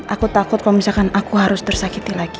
aku takut kalau misalkan aku harus tersakiti lagi